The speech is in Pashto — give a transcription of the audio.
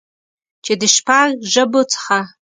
چې د شپږ ژبو څخه